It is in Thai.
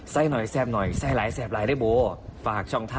ไส้น้อยแซบน้อยไส้หลายแซบหลายด้วยค่ะ